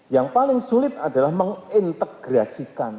yang paling sulit adalah mengintegrasikan